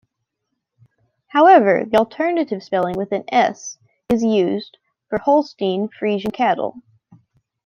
However, the alternative spelling with an "s" is used for Holstein Friesian cattle.